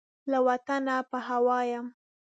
له وطنه په هوا یم